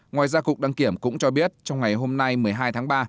ngoài ra cục đăng kiểm cũng cho biết trong ngày hôm nay một mươi hai tháng ba